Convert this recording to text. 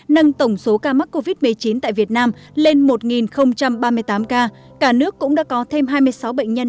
nâng tổng số ca mắc covid một mươi chín tại việt nam lên một ba mươi tám ca cả nước cũng đã có thêm hai mươi sáu bệnh nhân